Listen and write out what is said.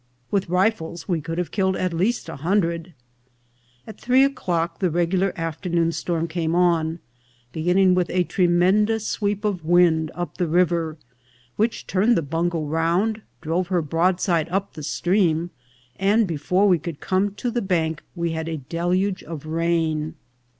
With rifles we could have killed at least a hundred. At three o'clodc the regular afternoon storm came on, beginning with a tremendous sweep of wind up the riv er, which turned the bungo round, drove her broadside up the stream, and before we could come to at the bank we had a deluge of rain.